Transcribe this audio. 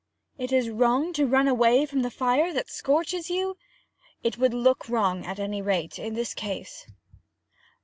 'Is it wrong to run away from the fire that scorches you?' 'It would look wrong, at any rate, in this case.'